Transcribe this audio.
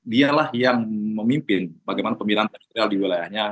dialah yang memimpin bagaimana pemilihan ekstril di wilayahnya